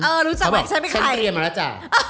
เออรู้จักว่าฉันเป็นใครเขาบอกฉันเรียนมาแล้วจ้ะ